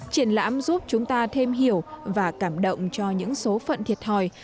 triển lãm giúp chúng ta thêm hiểu và cảm động cho những số phận thiệt hồi